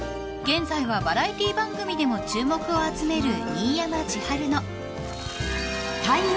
［現在はバラエティー番組でも注目を集める］